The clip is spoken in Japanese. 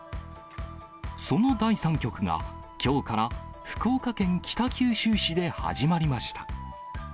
その第３局が、きょうから福岡県北九州市で始まりました。